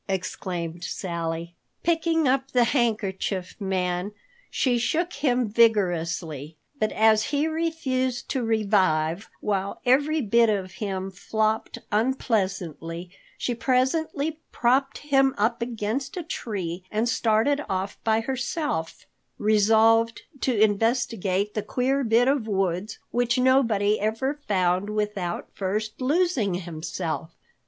exclaimed Sally. Picking up the Handkerchief Man, she shook him vigorously, but as he refused to revive, while every bit of him flopped unpleasantly, she presently propped him up against a tree and started off by herself, resolved to investigate the queer bit of woods which nobody ever found without first losing himself.